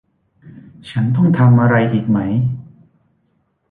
ฉันต้องทำอะไรอีกไหม